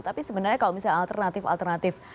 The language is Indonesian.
tapi sebenarnya kalau misalnya alternatif alternatif